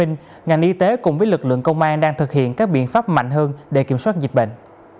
ngành y tế cùng với lực lượng công an đang thực hiện các biện pháp mạnh hơn để kiểm soát dịch bệnh